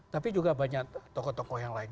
tapi juga banyak tokoh tokoh yang lain